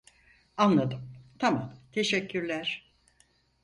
Anladım tamam teşekkürler